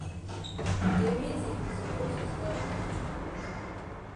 De meetin be suppose for stat na wich time.